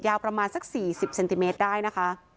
ประมาณสัก๔๐เซนติเมตรได้นะคะ